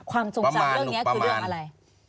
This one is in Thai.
ทรงจำเรื่องนี้คือเรื่องอะไร